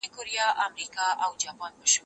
هغه وويل چي لوښي مينځل مهم دي!.